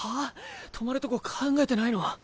泊まるとこ考えてないの？